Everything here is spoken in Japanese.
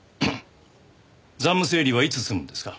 残務整理はいつ済むんですか？